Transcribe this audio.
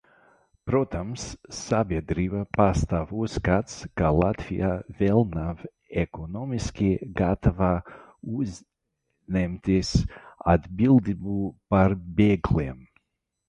Protams, sabiedrībā pastāv uzskats, ka Latvija vēl nav ekonomiski gatava uzņemties atbildību par bēgļiem.